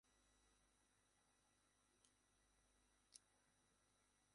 প্রাণীটা হঠাৎ জঙ্গল থেকে বেরিয়ে আড়াআড়িভাবে রাস্তা পার হয়ে ছুট দিল।